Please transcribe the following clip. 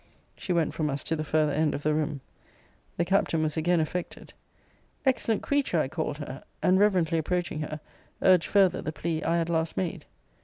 She went from us to the farther end of the room. The Captain was again affected Excellent creature! I called her; and, reverently approaching her, urged farther the plea I had last made.